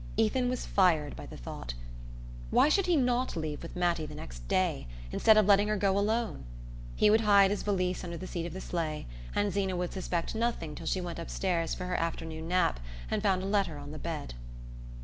Ethan was fired by the thought. Why should he not leave with Mattie the next day, instead of letting her go alone? He would hide his valise under the seat of the sleigh, and Zeena would suspect nothing till she went upstairs for her afternoon nap and found a letter on the bed...